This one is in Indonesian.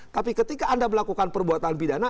tapi ketika anda melakukan perbuatan pidana